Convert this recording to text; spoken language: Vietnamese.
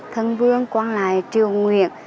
thân vương quang lài triều nguyện